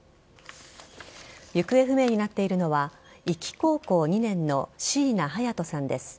行方不明になっているのは壱岐高校２年の椎名隼都さんです。